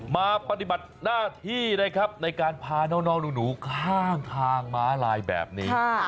มาปฏิบัติหน้าที่นะครับในการพาน้องหนูข้างทางม้าลายแบบนี้